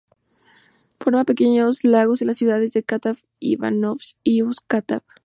Forma pequeños lagos en las ciudades de Katav-Ivánovsk y Ust-Katav.